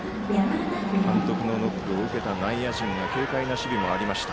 監督のノックを受けた内野陣の軽快な守備もありました。